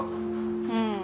うん。